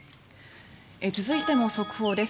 続いても速報です。